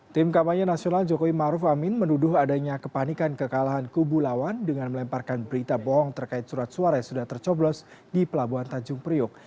tim kampanye nasional jokowi maruf amin menuduh adanya kepanikan kekalahan kubu lawan dengan melemparkan berita bohong terkait surat suara yang sudah tercoblos di pelabuhan tanjung priok